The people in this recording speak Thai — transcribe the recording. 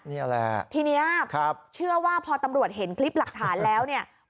นี่แหละทีนี้เชื่อว่าพอตำรวจเห็นคลิปหลักฐานแล้วเนี่ย